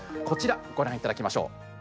こちら、ご覧いただきましょう。